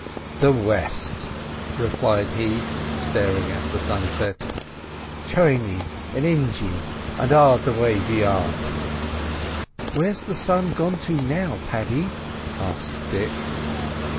"The west," replied he, staring at the sunset. "Chainy and Injee and all away beyant." "Where's the sun gone to now, Paddy?" asked Dick.